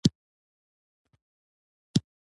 کله چې سیاسي حزبونو رقیبو ډلو ولیدل